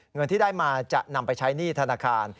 เงินที่ได้มาจะนำไปใช้หนี้ธนาคาร